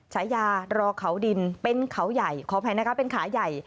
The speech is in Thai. ฉายารอเขาดินเป็นเขาใหญ่ขออภัยนะคะเป็นขาใหญ่